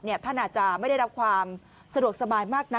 ท่านอาจจะไม่ได้รับความสะดวกสบายมากนัก